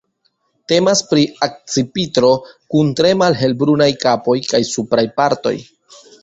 Temas pri akcipitro kun tre malhelbrunaj kapo kaj supraj partoj.